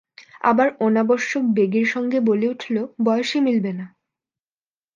আবার অনাবশ্যক বেগের সঙ্গে বলে উঠল, বয়সে মিলবে না।